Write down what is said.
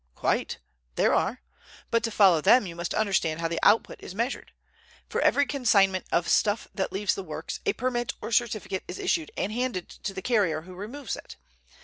"Quite. There are. But to follow them you must understand how the output is measured. For every consignment of stuff that leaves the works a permit or certificate is issued and handed to the carrier who removes it.